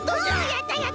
やったやった！